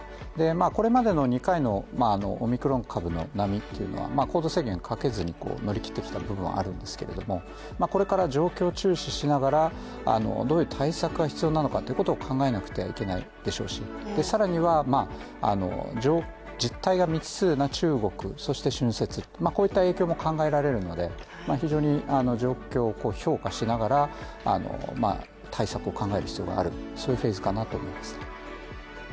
これまでの２回のオミクロン株の波というのは行動制限をかけずに乗り切ってきた部分はあるんですけれども、これから状況を注視しながらどういう対策が必要なのかというのを考えなくてはいけないでしょうし更には、実態が未知数な中国そして春節、こういった影響も考えられるので非常に状況を評価しながら、対策を考える必要があるというフェーズかなと思います。